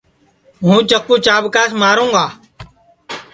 ہوں چکُو چاٻکاس ماروں گا